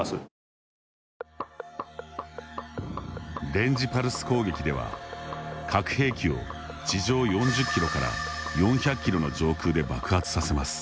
電磁パルス攻撃では核兵器を地上４０キロから４００キロの上空で爆発させます。